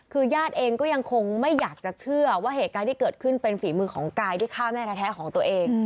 คือญาติเองก็ยังคงไม่อยากจะเชื่อว่าเหตุการณ์ที่เกิดขึ้นเป็นฝีมือของกายที่ฆ่าแม่แท้ของตัวเอง